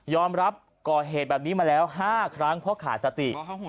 รับก่อเหตุแบบนี้มาแล้ว๕ครั้งเพราะขาดสติ